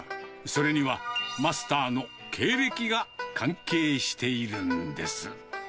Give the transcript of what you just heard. それには、マスターの経歴が関係しているんです。